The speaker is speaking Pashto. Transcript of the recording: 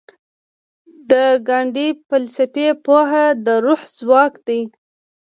د ګاندي فلسفي پوهه د روح ځواک دی.